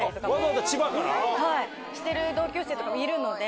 してる同級生とかもいるので。